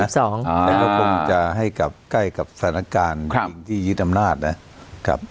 ก็คงจะให้ใกล้กับธนการที่ยึดถ้ำนาจนะ